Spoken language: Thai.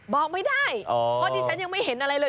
บอกไม่ได้เพราะดิฉันยังไม่เห็นอะไรเลย